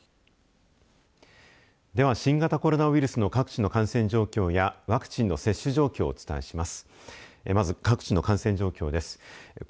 では、新型コロナウイルスの各地の感染状況やワクチンの接種状況をお伝えします。